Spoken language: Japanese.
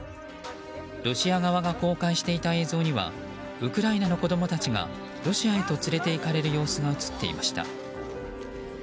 ロシア側が公開していた映像にはウクライナの子供たちがロシアへと連れていかれる様子が映っていました。